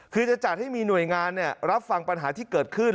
คือจะจัดให้มีหน่วยงานรับฟังปัญหาที่เกิดขึ้น